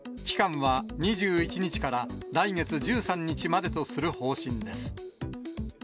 期間は２１日から来月１３日までとする方針です。